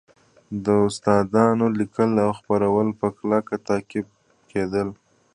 د داستانونو لیکل او خپرول په کلکه تعقیب کېدل